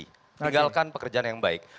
meninggalkan pekerjaan yang baik